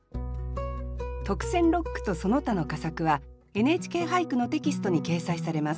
特選六句とその他の佳作は「ＮＨＫ俳句」のテキストに掲載されます。